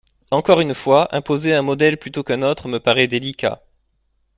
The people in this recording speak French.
Encore une fois, imposer un modèle plutôt qu’un autre me paraît délicat.